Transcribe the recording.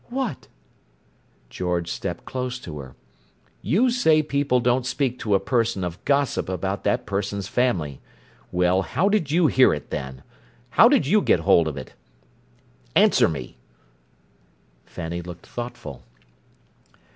"What?" George stepped close to her. "You say people don't speak to a person of gossip about that person's family. Well, how did you hear it, then? How did you get hold of it? Answer me!" Fanny looked thoughtful.